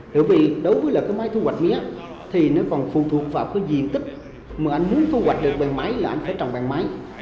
tại vì đối với máy thu hoạch mía thì nó còn phụ thuộc vào cái diện tích mà anh muốn thu hoạch được bằng máy là anh phải trồng bằng máy